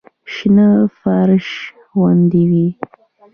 شنه فرش غوندې وي.